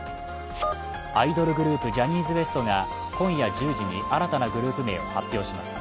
アイドルグループ・ジャニーズＷＥＳＴがが今夜１０時に新たなグループ名を発表します。